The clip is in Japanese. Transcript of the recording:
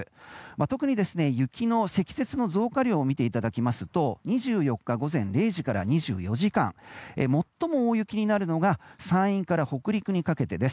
特に積雪の増加量を見ていただきますと２４日午前０時から２４時間最も大雪になるのが山陰から北陸にかけてです。